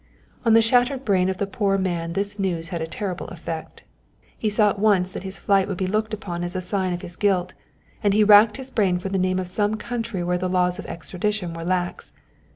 On the shattered brain of the poor man this news had a terrible effect. He saw at once that his flight would be looked upon as a sign of his guilt, and he racked his brain for the name of some country where the laws of extradition were lax.